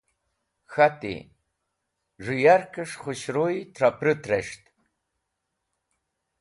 K̃hati, z̃hũ yarkes̃h khũshruy trẽ pũrũt res̃ht.